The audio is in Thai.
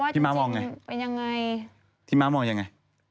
พี่ม้ามองยังไง